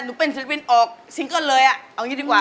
หนูเป็นศิลปินออกซิงเกิ้ลเลยอ่ะเอางี้ดีกว่า